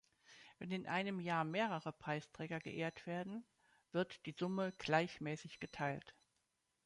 Wenn in einem Jahre mehrere Preisträger geehrt werden, wird die Summe gleichmäßig geteilt.